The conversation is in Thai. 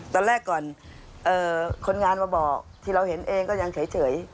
ตอนแรกก่อนคนงานมาบอกที่เราเห็นเองก็ยังเฉย